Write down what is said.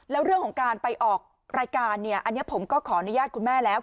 แล้วเรื่องของการไปออกรายการเนี่ยอันนี้ผมก็ขออนุญาตคุณแม่แล้ว